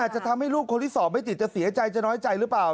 จะทำให้ลูกคนที่สอบไม่ติดจะเสียใจจะน้อยใจหรือเปล่า